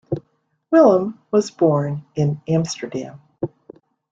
Willem was born in Amsterdam.